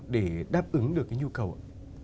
để đáp ứng được cái nhu cầu ạ